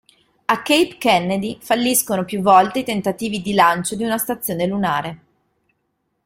A Cape Kennedy falliscono più volte i tentativi di lancio di una stazione lunare.